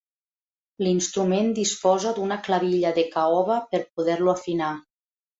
L'instrument disposa d'una clavilla de caoba per poder-lo afinar.